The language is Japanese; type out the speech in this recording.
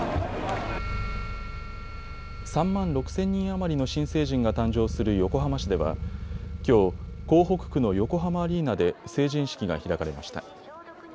３万６０００人余りの新成人が誕生する横浜市ではきょう、港北区の横浜アリーナで成人式が開かれました。